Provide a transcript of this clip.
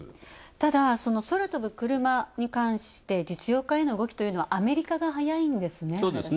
ただ、空飛ぶクルマに関して実用化への動きというのはアメリカが早いんですね。